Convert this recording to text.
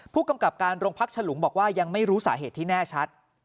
ผู้กำกับการโรงพักฉลุงบอกว่ายังไม่รู้สาเหตุที่แน่ชัด